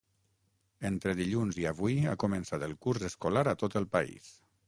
Entre dilluns i avui ha començat el curs escolar a tot el país.